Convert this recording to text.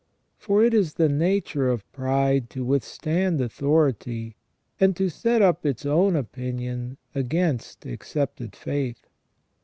For it is the nature of pride to withstand authority and to set up its own opinion against accepted faith.